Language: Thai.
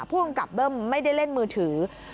พ่วงกับเบิ้มไม่ได้เล่นมือถือ